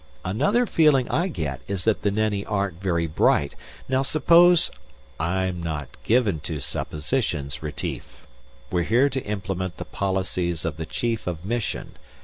"Another feeling I get is that the Nenni aren't very bright. Now suppose " "I'm not given to suppositions, Retief. We're here to implement the policies of the Chief of Mission.